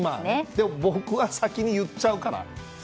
でも、僕は先にいっちゃうから。